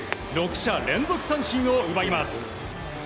６者連続三振を奪います。